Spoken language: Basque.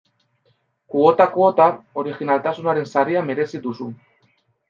Kuotak kuota, orijinaltasunaren saria merezi duzu.